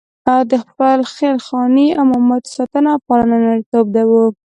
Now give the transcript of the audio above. د خپلې خېل خانې او مامتې ساتنه او پالنه نارینتوب وو.